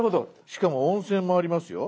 しかも温泉もありますよ。